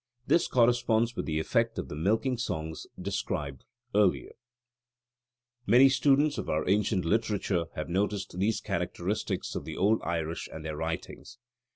This corresponds with the effect of the milking songs described at p. 89. (See also for bird songs, p. 83.) Many students of our ancient literature have noticed these characteristics of the old Irish and their writings.